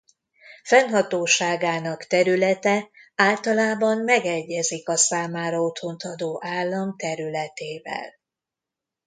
Fennhatóságának területe általában megegyezik a számára otthont adó állam területével.